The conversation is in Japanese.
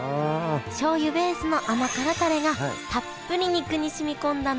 しょうゆベースの甘辛タレがたっぷり肉に染み込んだ濃厚な味。